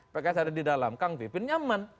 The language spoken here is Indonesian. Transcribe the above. pks ada di dalam kang pipin nyaman